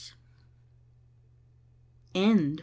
THE END.